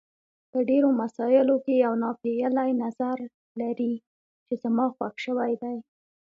په ډېرو مسایلو کې یو ناپېیلی نظر لري چې زما خوښ شوی دی.